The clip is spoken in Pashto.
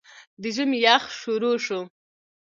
د ژمي يخ شورو شو